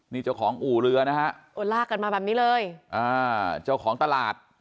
นี่เจ้าของอู่เรือนะฮะโอ้ลากกันมาแบบนี้เลยอ่าเจ้าของตลาด